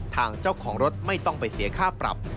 ทางเจ้าของรถไม่ต้องไปเสียค่าปรับ